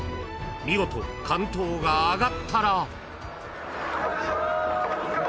［見事竿燈があがったら］